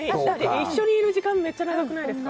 一緒にいる時間めっちゃ長くないですか？